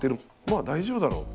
まあ大丈夫だろう。